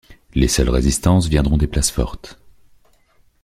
Les seules résistances viendront des places fortes.